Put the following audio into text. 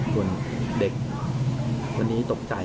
คนเด็กวันนี้ตกใจ